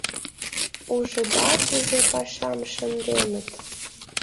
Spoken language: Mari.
— Ужыда, кузе пашам шынденыт!